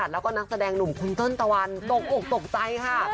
แล้วก็นักแสดงหนุ่มคุณเติ้ลตะวันตกอกตกใจค่ะ